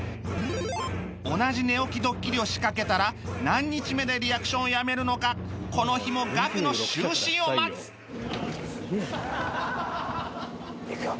同じ寝起きドッキリを仕掛けたら何日目でリアクションをやめるのかこの日もガクの就寝を待ついくよ。